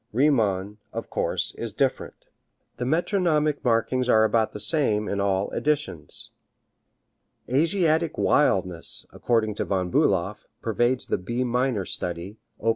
Riemann, of course, is different: [Musical score excerpt] The metronomic markings are about the same in all editions. Asiatic wildness, according to Von Bulow, pervades the B minor study, op.